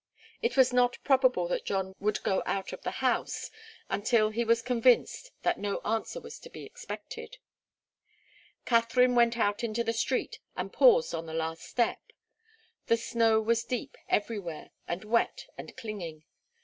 It was not probable that John would go out of the house until he was convinced that no answer was to be expected. Katharine went out into the street and paused on the last step. The snow was deep everywhere, and wet and clinging.